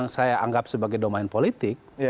yang saya anggap sebagai domain politik